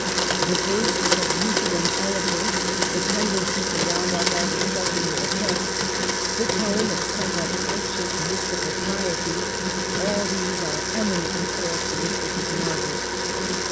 The bursts of Lu theran eloquence, the tendency to round off all discussion with a text, the tone of somewhat unctuous, mystical piety, — all these are emi nently characteristic of Margaret.